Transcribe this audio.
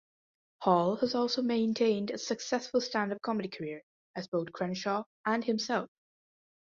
Hall has also maintained a successful stand-up comedy career, as both Crenshaw and himself.